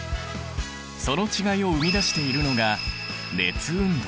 その違いを生み出しているのが熱運動。